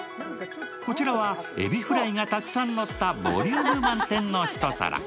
こちらはエビフライがたくさんのったボリューム満点の一皿。